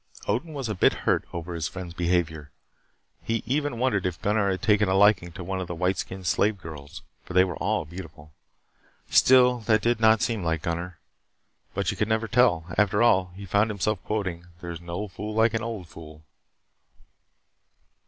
Odin was a bit hurt over his friend's behavior. He even wondered if Gunnar had taken a liking to one of the white skinned slave girls for they were beautiful. Still, that did not seem like Gunnar. But you could never tell. After all, he found himself quoting, there's no fool like an old fool.